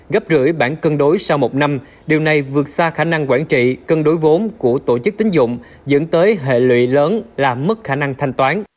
gấp rưỡi bản cân đối sau một năm điều này vượt xa khả năng quản trị cân đối vốn của tổ chức tính dụng dẫn tới hệ lụy lớn làm mất khả năng thanh toán